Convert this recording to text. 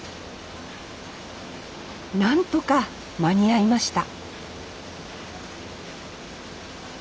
何とか間に合いました